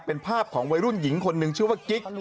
เป็นภาพของวัยรุ่นหญิงคนหนึ่งชื่อว่ากิ๊ก